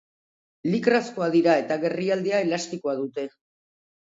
Lycrazkoak dira eta gerrialdea elastikoa dute.